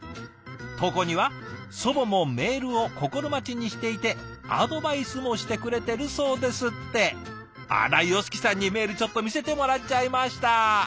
投稿には「祖母もメールを心待ちにしていてアドバイスもしてくれてるそうです」ってあらヨシキさんにメールちょっと見せてもらっちゃいました。